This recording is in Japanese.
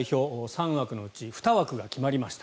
３枠のうち２枠が決まりました。